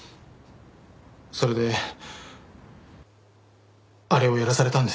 それであれをやらされたんです。